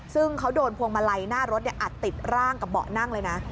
ซึ่งเขาโดนพวงมาลัยหน้ารถอัดติดร่างกับเบาะนั่งเลยนะ